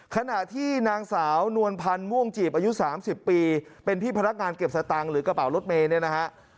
ขณะที่นางสาวนวลพันธ์ม่วงจีบอายุ๓๐ปีเป็นพี่พนักงานเก็บสตางค์หรือกระเป๋ารถเมย์เนี่ยนะฮะ